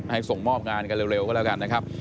ส่งมอบงานกันเร็วก็แล้วกันนะครับ